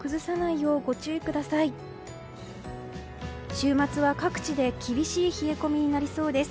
週末は各地で厳しい冷え込みになりそうです。